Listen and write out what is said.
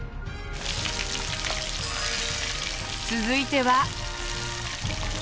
続いては。